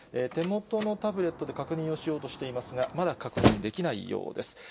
手元のタブレットで確認をしようとしていますが、まだ確認できないようです。